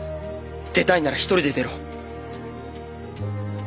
出たいなら一人で出ろ。